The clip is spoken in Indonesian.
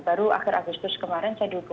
baru akhir agustus kemarin saya dukung